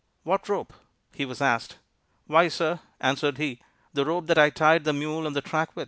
"What rope?" he was asked. "Why, sah," answered he, "de rope dat I tied de mule on de track wif."